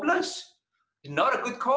itu bukan alasan yang baik